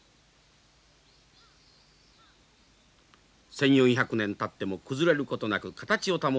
１，４００年たっても崩れることなく形を保っていた石舞台。